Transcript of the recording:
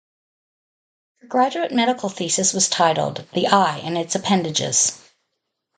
Her graduate medical thesis was titled "The Eye and Its Appendages".